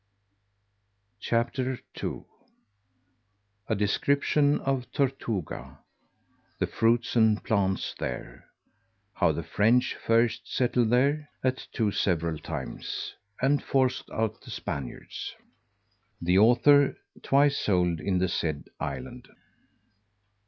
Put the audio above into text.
CHAPTER II _A description of Tortuga The fruits and plants there How the French first settled there, at two several times, and forced out the Spaniards The author twice sold in the said island.